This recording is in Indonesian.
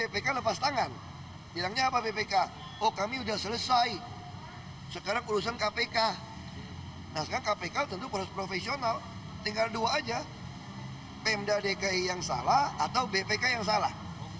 pembelian dki yang salah atau bpk yang salah